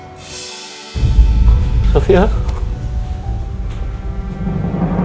mampir kalau ini kabar lebih rancangan tapi saya sampe jadi rancang